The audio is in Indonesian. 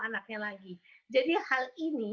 anaknya lagi jadi hal ini